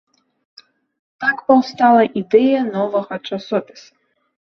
Так паўстала ідэя новага часопіса.